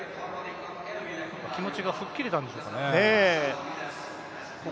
気持ちが吹っ切れたんでしょうかね。